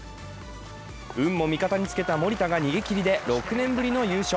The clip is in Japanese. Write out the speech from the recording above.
運も味方につけた森田が逃げきりで６年ぶりの優勝。